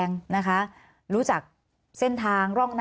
มีความรู้สึกว่าเสียใจ